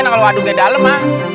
eh kalau waduknya dalem ah